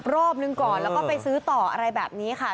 รอบหนึ่งก่อนแล้วก็ไปซื้อต่ออะไรแบบนี้ค่ะ